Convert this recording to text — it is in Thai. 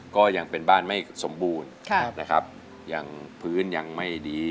ก็ยังเป็นบ้านไม่สมบูรณ์นะครับยังพื้นยังไม่ดี